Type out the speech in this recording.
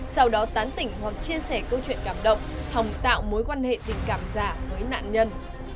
sau đó tán tỉnh hoặc chia sẻ câu chuyện cảm động hòng tạo mối quan hệ tình cảm giả với nạn nhân